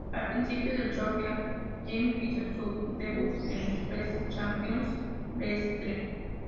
Al principio del show Brian Pillman hizo su debut en la Extreme Championship Wrestling.